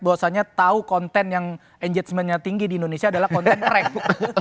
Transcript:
bahwasanya tahu konten yang enjajmennya tinggi di indonesia adalah konten prank